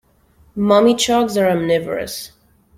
Mummichogs are omnivorous.